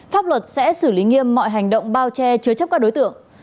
pháp luật sẽ xử lý nghiêm mọi hành động bao che chứa chấp các đối tượng